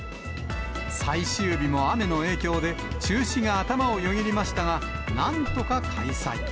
最終日も雨の影響で中止が頭をよぎりましたが、なんとか開催。